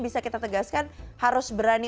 bisa kita tegaskan harus berani